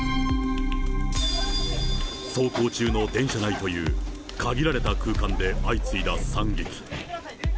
走行中の電車内という、限られた空間で相次いだ惨劇。